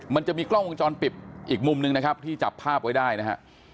มันจะมีกล้องวงจรปิดอีกมุมหนึ่งนะครับที่จับภาพไว้ได้นะฮะ